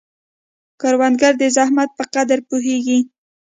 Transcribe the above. کروندګر د زحمت په قدر پوهیږي